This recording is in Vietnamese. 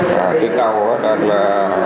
cái tàu đó đang là